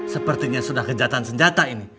sepertinya sudah kejahatan senjata ini